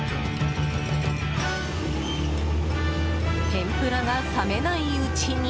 天ぷらが冷めないうちに。